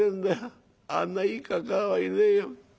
あんないいかかあはいねえよ。